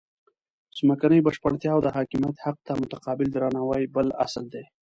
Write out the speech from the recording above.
ځمکنۍ بشپړتیا او د حاکمیت حق ته متقابل درناوی بل اصل دی.